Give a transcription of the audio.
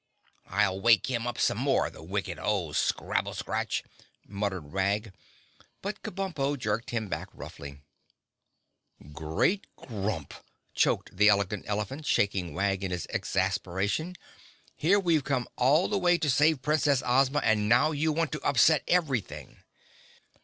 "I'll wake him up some more, the wicked old scrabble scratch," muttered Wag, but Kabumpo jerked him back roughly. [Illustration: The Scarecrow waved his hand upward] "Great Grump!" choked the Elegant Elephant, shaking Wag in his exasperation. "Here we've come all this way to save Princess Ozma and now you want to upset everything."